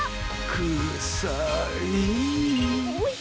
くさい。